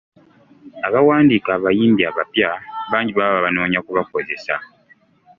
Abawandiika abayimbi abapya bangi baba babanoonya kubakozesa.